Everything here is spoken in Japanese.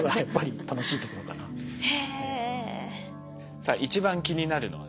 さあ一番気になるのはですね